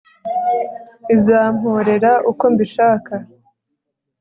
izamporera uko mbishaka